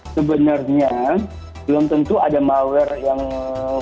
sebenarnya belum tentu ada malware yang